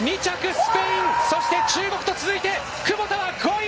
スペインそして中国と続いて窪田は５位！